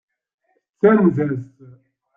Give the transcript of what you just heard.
Tettanez-as.